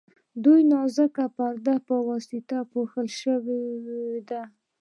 د یوې نازکې پردې په واسطه پوښل شوي دي.